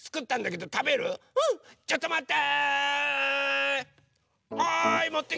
ちょっとまって。